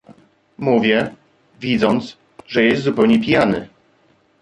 "mówię, widząc, że jest zupełnie pijany."